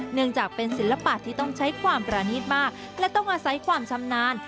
เนื่องจากเป็นศิลปะที่ต้องใช้ความประณีตมากและต้องอาศัยความชำนาญ